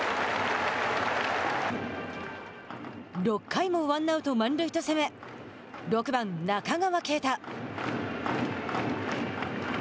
６回もワンアウト、満塁と攻め６番中川圭太。